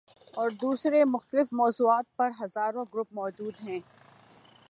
اور دوسرے مختلف موضوعات پر ہزاروں گروپ موجود ہیں۔